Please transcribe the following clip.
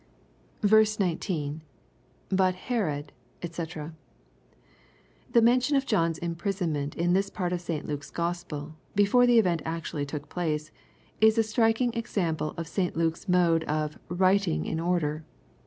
9, — [Bui Elsrodj Sc.] The mention of John's imprisonment, in this part of St. Luke's Gospel, before the event actually took place, is a striking example of St Luke's mode of " writing in order."